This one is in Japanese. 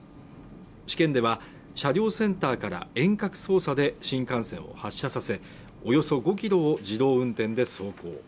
試験では車両センターから遠隔操作で新幹線を発車させ、およそ５キロを自動運転で走行。